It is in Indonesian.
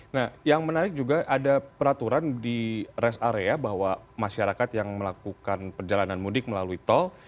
nah yang menarik juga ada peraturan di rest area bahwa masyarakat yang melakukan perjalanan mudik melalui tol